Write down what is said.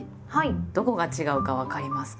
どこが違うか分かりますか？